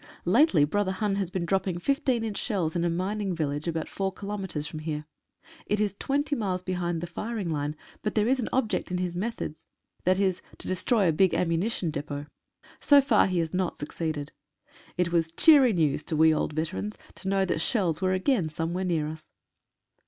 Lately, brother Hun has been dropping 15 inch shells in a mining village about four kilometres from here. It is twenty miles behind the firing line ; but there is an object in his methods, viz., to destroy a big ammunition depot. So far he has not succeeded. It was cheery news to we old veterans to know that shells were again somewhere near us.